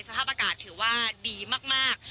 สภาพอากาศถือว่าดีมาก